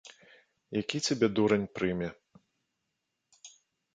Які цябе дурань прыме?